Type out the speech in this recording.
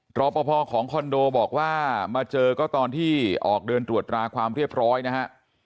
รอปภของคอนโดบอกว่ามาเจอก็ตอนที่ออกเดินตรวจราความเรียบร้อยนะฮะ